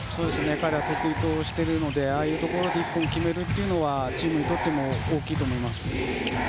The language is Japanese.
彼は得意としているのでああいうところで１本決めるというのはチームにとっても大きいと思います。